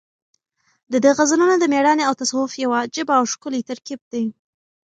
د ده غزلونه د مېړانې او تصوف یو عجیبه او ښکلی ترکیب دی.